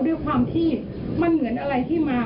ด้วยความที่มันเหมือนอะไรที่มา